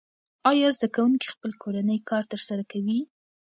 آیا زده کوونکي خپل کورنی کار ترسره کوي؟